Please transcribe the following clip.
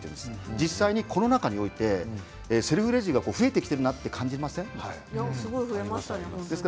実際コロナ禍においてセルフレジが増えてきているなと感じませんか？